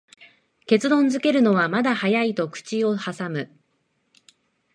結論づけるのはまだ早いと口をはさむ